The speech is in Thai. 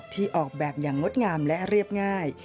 ออกแบบอย่างงดงามและเรียบง่าย